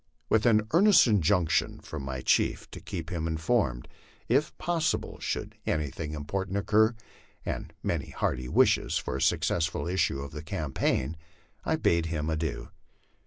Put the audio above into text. With an ear nest injunction from my chief to keep him informed, if possible, should anything important occur, and many hearty wishes for a successful issue to the cam paign, I bade him adieu.